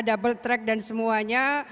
double track dan semuanya